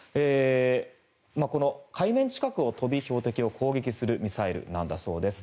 海面近くを飛び、標的を攻撃するミサイルなんだそうです。